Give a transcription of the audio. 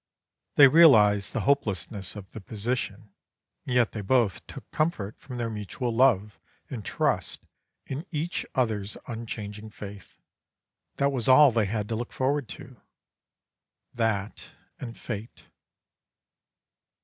They realised the hopelessness of the position, and yet they both took comfort from their mutual love and trust in each other's unchanging faith. That was all they had to look forward to, that and Fate.